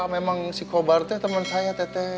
memang si kobar itu temen saya teke